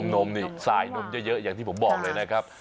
นมนี่ทรายนมเยอะอย่างที่ผมบอกเลยนะครับ